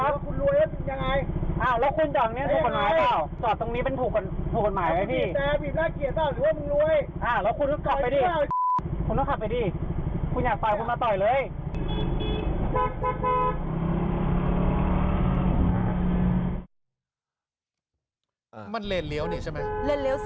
อ้าแล้วก็เลนที่ทักซี่จอดก็เป็นเลนเลี้ยวซ้ายด้วย